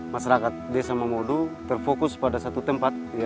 masyarakat desa momodo terfokus pada satu tempat